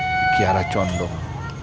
di kiara condong